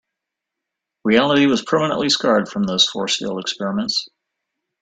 Reality was permanently scarred from those force field experiments.